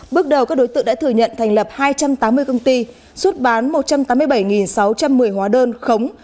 bước đầu các đối tượng đã thừa nhận thành lập hai trăm tám mươi công ty xuất bán một trăm tám mươi bảy sáu trăm một mươi hóa đơn khống